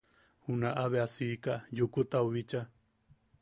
Junaʼa bea siika Yukutau bicha.